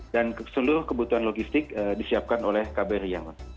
dan seluruh kebutuhan logistik disiapkan oleh kbr yangon